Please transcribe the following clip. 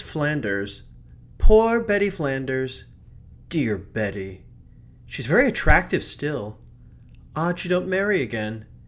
FLANDERS" "Poor Betty Flanders" "Dear Betty" "She's very attractive still" "Odd she don't marry again!"